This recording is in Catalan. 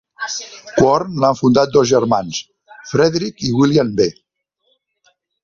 Quorn l'han fundat dos germans, Frederick i William B.